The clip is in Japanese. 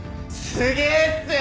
すげえ！